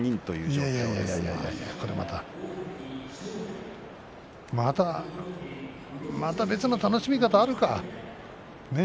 これはまたまた別の楽しみ方があるか。